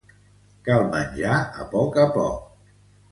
Cal menjar a poc a poc.